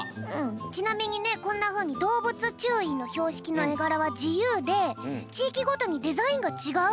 ちなみにねこんなふうにどうぶつちゅういのひょうしきのえがらはじゆうでちいきごとにデザインがちがうんだって。